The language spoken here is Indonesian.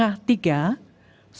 kalimantan selatan iii